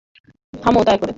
থামো দয়া করে।